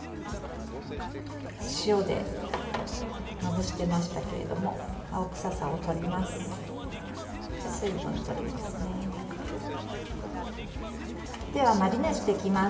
塩でまぶしてましたけど青臭さをとります。